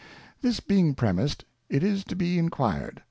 This being premis'd^ it is to be inquired.